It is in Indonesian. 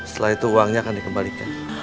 setelah itu uangnya akan dikembalikan